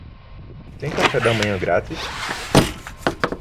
Tem café da manhã grátis?